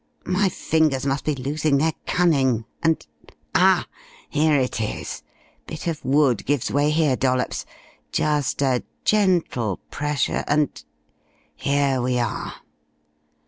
Faugh! My fingers must be losing their cunning, and Ah, here it is! Bit of wood gives way here, Dollops. Just a gentle pressure, and here we are!"